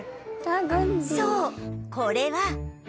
そうこれは